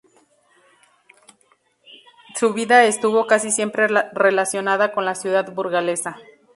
Su vida estuvo casi siempre relacionada con la ciudad burgalesa.